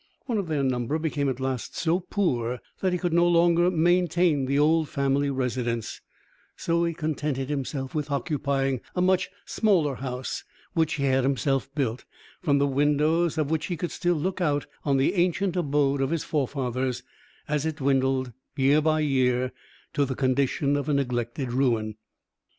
One of their number became at last so poor that he could no longer maintain the old family residence; so he contented himself with occupying a much smaller house which he had himself built, from the windows of which he could still look out on the ancient abode of his forefathers, as it dwindled year by year to the condition of a neglected ruin.